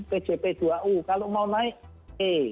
pjp dua u kalau mau naik e